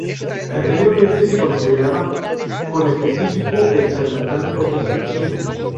Anteriormente se consideraba conespecífico del charlatán rojizo chino.